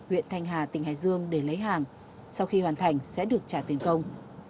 huyện thanh hà tỉnh hải dương để lấy hàng sau khi hoàn thành sẽ được trả tiền công